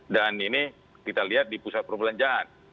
ini kita lihat di pusat perbelanjaan